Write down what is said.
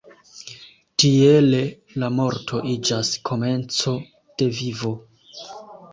Tiele la morto iĝas komenco de vivo.